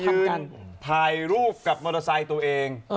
ทำการถ่ายรูปกับมอเตอร์ไซค์ตัวเอง